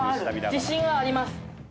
自信はあります。